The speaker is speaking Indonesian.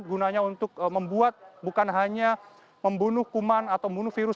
gunanya untuk membuat bukan hanya membunuh kuman atau membunuh virus